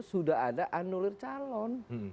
sudah ada anulir calon